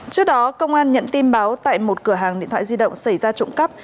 trước đó công an nhận tin báo tại một cửa hàng điện thoại di động xảy ra trộm cắp